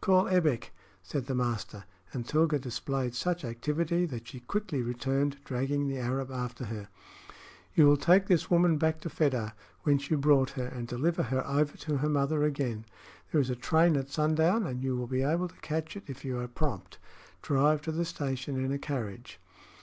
"Call Ebbek," said the master; and Tilga displayed such activity that she quickly returned, dragging the Arab after her. "You will take this woman back to Fedah, whence you brought her, and deliver her over to her mother again. There is a train at sundown, and you will be able to catch it if you are prompt. Drive to the station in a carriage."